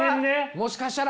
もしかしたら。